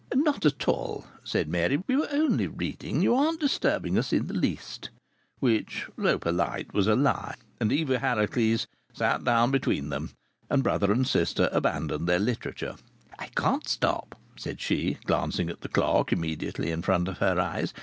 "Not at all!" said Mary. "We were only reading; you aren't disturbing us in the least." Which, though polite, was a lie. And Eva Harracles sat down between them. And brother and sister abandoned their literature. "I can't stop," said she, glancing at the clock immediately in front of her eyes.